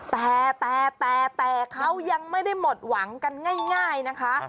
แต่แต่เขายังไม่ได้หมดหวังกันง่ายนะคะ